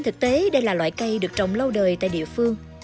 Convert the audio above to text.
thực tế đây là loại cây được trồng lâu đời tại địa phương